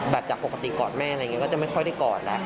จากปกติกอดแม่อะไรอย่างนี้ก็จะไม่ค่อยได้กอดแล้ว